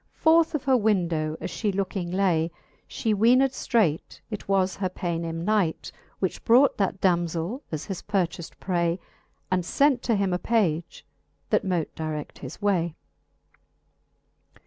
Forth of her window as flie looking lay. She weened ftreight, it was her Paynim knight, Which brought that damzell, as his purchaft pray ; And fent to him a page, that mote dired his way.